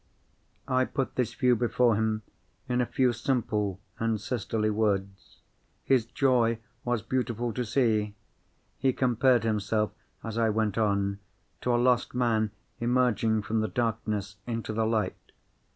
I put this view before him in a few simple and sisterly words. His joy was beautiful to see. He compared himself, as I went on, to a lost man emerging from the darkness into the light.